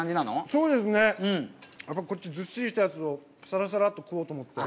そうですね。ずっしりしたやつをサラサラと食おうと思って。